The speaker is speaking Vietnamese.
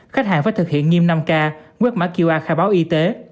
khách hàng phải thực hiện nghiêm năm k quét mã qr khai báo y tế